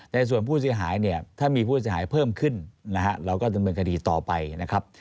ในส่วนผู้เสียหายเนี่ยถ้ามีผู้เสียหายเพิ่มขึ้นนะฮะเราก็ดำเนินคดีต่อไปนะครับ